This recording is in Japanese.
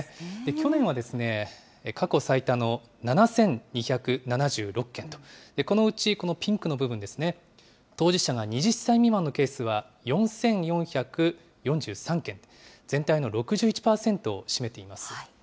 去年は過去最多の７２７６件と、このうちこのピンクの部分ですね、当事者が２０歳未満のケースは４４４３件、全体の６１％を占めています。